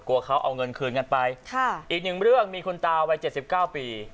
กลัวเขาเอาเงินคืนกันไปอีกหนึ่งเรื่องมีคุณตาวัย๗๙ปี